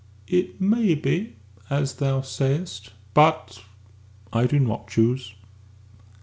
"It may be as thou sayest. But I do not choose."